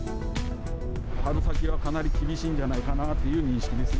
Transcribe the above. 春先はかなり厳しいんじゃないかなという認識ですね。